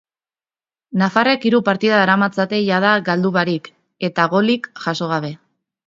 Nafarrek hiru partida daramatzate jada galdu barik eta golik jaso gabe.